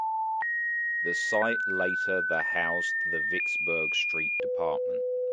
The site later the housed the Vicksburg Street Department.